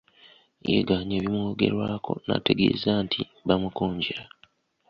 Yeegaanye ebimwogerwako n’ategeeza nti bamukonjera.